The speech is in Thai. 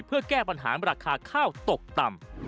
เพื่อแก้ปัญหาราคาข้าวตกต่ำ